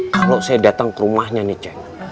kalau saya datang ke rumahnya nih ceng